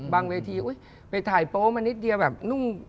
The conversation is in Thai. บางทีไปถ่ายโป๊มานิดเดียวแบบนุ่ม